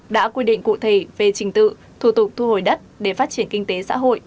đã quy định cụ thể về trình tự thủ tục thu hồi đất để phát triển kinh tế xã hội